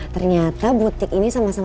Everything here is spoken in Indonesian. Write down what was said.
ternyata butik ini sangat bagus